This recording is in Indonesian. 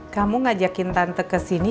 kamu ngajakin tante kesini